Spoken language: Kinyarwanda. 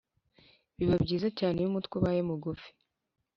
Biba byiza cyane iyo umutwe ubaye mugufi.